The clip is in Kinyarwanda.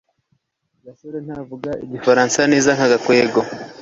gasore ntavuga igifaransa neza nka gakwego